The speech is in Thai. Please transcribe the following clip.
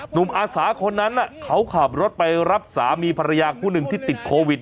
อาสาคนนั้นเขาขับรถไปรับสามีภรรยาคู่หนึ่งที่ติดโควิด